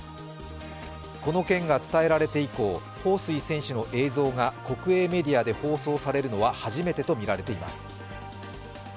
この件が伝えられて以降、彭帥選手の映像が国営メディアで放送されるのは初めてとみられています。